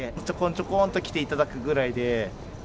ちょこんちょこんと来ていただくぐらいで。